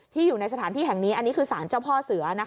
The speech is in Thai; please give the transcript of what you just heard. ที่อยู่ในสถานที่แห่งนี้อันนี้คือศาลเจ้าพ่อเสือนะครับ